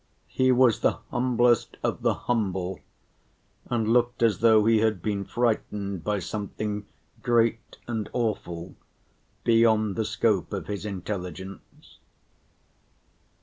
He was the humblest of the humble, and looked as though he had been frightened by something great and awful beyond the scope of his intelligence.